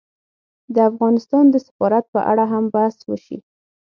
د افغانستان د سفارت په اړه هم بحث وشي